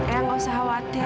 eyang gak usah khawatir